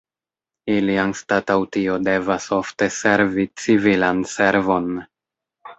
Ili anstataŭ tio devas ofte servi civilan servon.